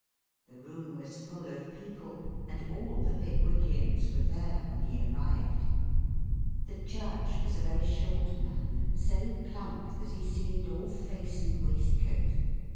The room was full of people, and all the Pickwickians were there when he arrived. The Judge was a very short man, so plump that he seemed all face and waistcoat.